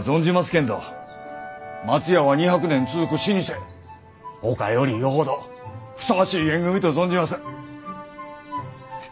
けんど松屋は２００年続く老舗ほかよりよほどふさわしい縁組みと存じます。